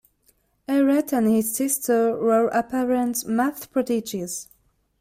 Errett and his sister were apparent math prodigies.